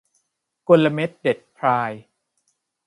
กลเม็ดเด็ดพราย